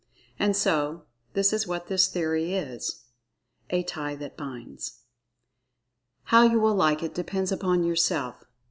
And so, this is what this Theory is—a "tie that binds." How you will like it depends upon yourself.